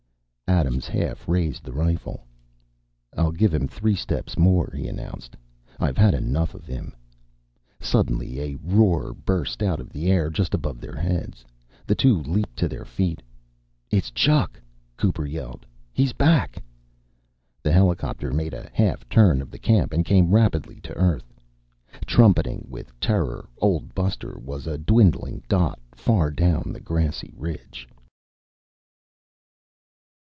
Adams half raised the rifle. "I'll give him three steps more," he announced. "I've had enough of him." Suddenly a roar burst out of the air just above their heads. The two leaped to their feet. "It's Chuck!" Cooper yelled. "He's back!" The helicopter made a half turn of the camp and came rapidly to Earth. Trumpeting with terror, Old Buster was a dwindling dot far down the grassy ridge.